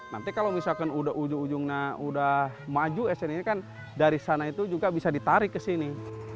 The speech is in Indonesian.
nanti kalau misalkan udah ujung ujungnya udah maju sn nya kan dari sana itu juga bisa ditarik ke sini